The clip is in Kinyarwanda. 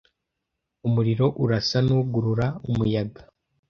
umuriro urasa nugurura umuyaga